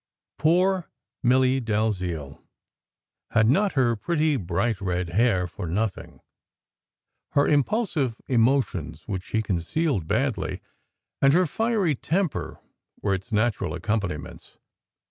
Poor Milly Dalziel had not her pretty, bright red hair for nothing. Her impulsive emotions, which she concealed badly, and her fiery temper were its natural accompani ments.